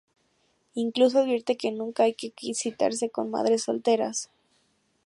Incluso advierte que nunca hay que citarse con madres solteras.